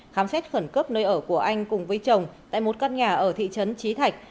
trước nơi ở của anh cùng với chồng tại một căn nhà ở thị trấn trí thạch